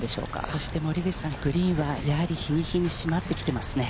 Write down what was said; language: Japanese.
そして森口さん、グリーンは、やはり日に日に締まってきてますね。